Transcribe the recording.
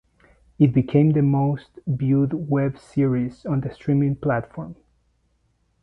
It became the most viewed web series on the streaming platform.